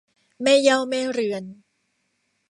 แม่เหย้าแม่เรือน